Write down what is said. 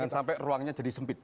jangan sampai ruangnya jadi sempit